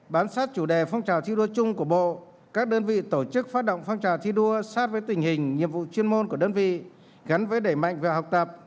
bám sát chủ đề phong trào thi đua chung của bộ các đơn vị tổ chức phát động phong trào thi đua sát với tình hình nhiệm vụ chuyên môn của đơn vị gắn với đẩy mạnh về học tập